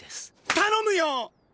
頼むよ！